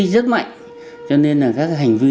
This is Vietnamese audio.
rất mạnh cho nên là các hành vi